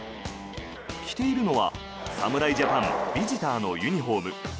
着ているのは侍ジャパンビジターのユニホーム。